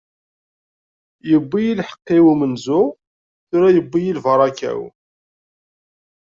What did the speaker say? iwwi-yi lḥeqq-iw n umenzu, tura yewwi-yi lbaṛaka-w.